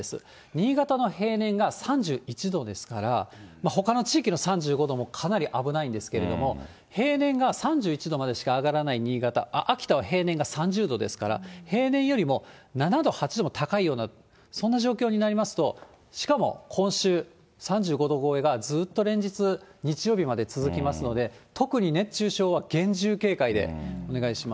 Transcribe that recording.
新潟の平年が３１度ですから、ほかの地域の３５度もかなり危ないんですけれども、平年が３１度までしか上がらない新潟、秋田は平年が３０度ですから、平年よりも７度、８度も高いような、そんな状況になりますと、しかも今週、３５度超えがずっと連日、日曜日まで続きますので、特に熱中症は厳重警戒でお願いします。